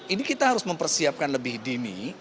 ini kita harus mempersiapkan lebih dini